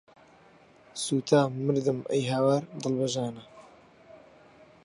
سوتام، مردم، ئەی هاوار، دڵ بە ژانە